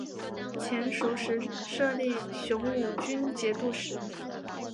前蜀时设立雄武军节度使。